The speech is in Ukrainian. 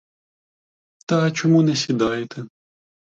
Та чому не сідаєте?